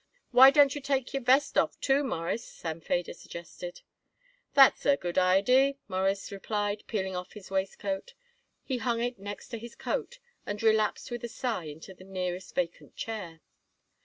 "Why don't you take your vest off, too, Mawruss?" Sam Feder suggested. "That's a good idee," Morris replied, peeling off his waistcoat. He hung it next to his coat and relapsed with a sigh into the nearest vacant chair.